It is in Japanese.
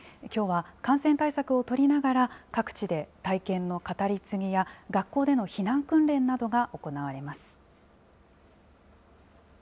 きょうは感染対策を取りながら、各地で体験の語り継ぎや、学校での避難訓練などが行われます。